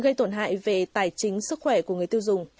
gây tổn hại về tài chính sức khỏe của người tiêu dùng